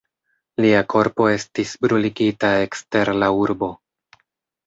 Lia korpo estis bruligita ekster la urbo.